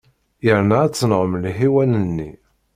Yerna ad tenɣem lḥiwan-nni.